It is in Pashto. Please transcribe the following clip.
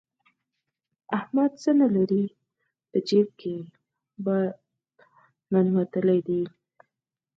احمد څه نه لري؛ په جېب کې يې باد ننوتلی دی.